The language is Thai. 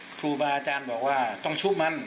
ครูบาอาจารย์บอกว่าต้องชูมัน